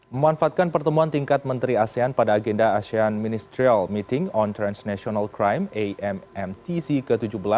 memanfaatkan pertemuan tingkat menteri asean pada agenda asean ministerial meeting on transnational crime ammtc ke tujuh belas